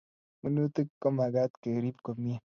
minutik komakat kerip komie